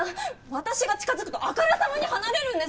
私が近づくとあからさまに離れるんです！